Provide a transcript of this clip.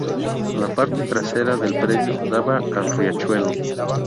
La parte trasera del predio daba al Riachuelo.